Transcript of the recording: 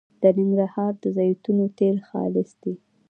د ننګرهار د زیتون تېل خالص دي